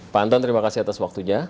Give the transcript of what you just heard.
pak anton terima kasih atas waktunya